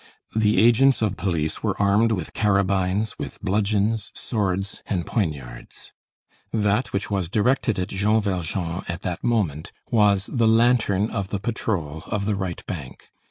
The agents of police were armed with carabines, with bludgeons, swords and poignards. That which was directed at Jean Valjean at that moment, was the lantern of the patrol of the right bank.